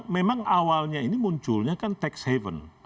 memang awalnya ini munculnya kan tax haven